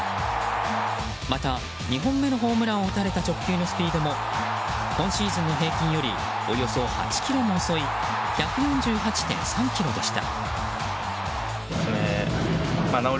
また、２本目のホームランを打たれた直球のスピードも今シーズンの平均よりおよそ８キロも遅い１４８．３キロでした。